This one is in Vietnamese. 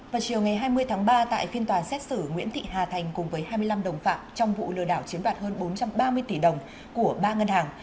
vào chiều ngày hai mươi tháng ba tại phiên tòa xét xử nguyễn thị hà thành cùng với hai mươi năm đồng phạm trong vụ lừa đảo chiếm đoạt hơn bốn trăm ba mươi tỷ đồng của ba ngân hàng